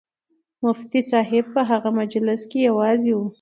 مفتي صاحب په هغه مجلس کې یوازې و.